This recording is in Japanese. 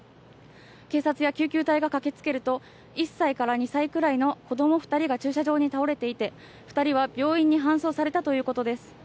警察や救急隊が駆けつけると、１歳から２歳くらいの子ども２人が駐車場に倒れていて、２人は病院に搬送されたということです。